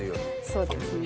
そうですね。